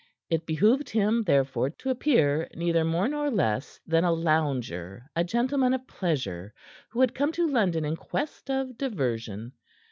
It behooved him, therefore, to appear neither more nor less than a lounger, a gentleman of pleasure who had come to London in quest of diversion.